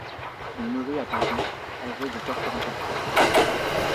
Il mourut à Paris, âgé de quatre-vingt-quatre ans.